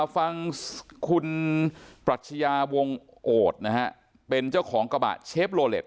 ฟังคุณปัชยาวงแอดโอดเป็นเจ้าของกระบาดเชฟลโรลเลส